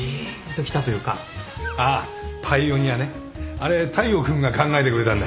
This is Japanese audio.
あれ大陽君が考えてくれたんだ。